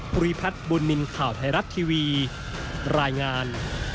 ภูริพัฒน์บุญนินทร์ข่าวไทยรัฐทีวีรายงาน